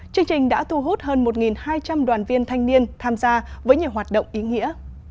chương trình đã thu hút hơn một hai trăm linh đoàn viên thanh niên tham gia với nhiều hoạt động ý nghĩa